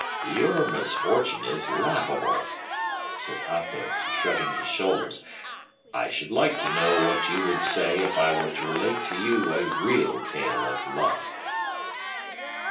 "Your misfortune is laughable," said Athos, shrugging his shoulders; "I should like to know what you would say if I were to relate to you a real tale of love!"